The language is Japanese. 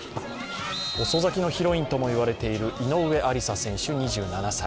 遅咲きのヒロインとも言われている井上愛里沙選手２７歳。